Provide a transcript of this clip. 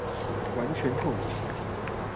完全透明